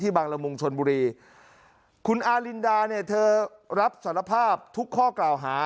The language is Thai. บางละมุงชนบุรีคุณอารินดาเนี่ยเธอรับสารภาพทุกข้อกล่าวหา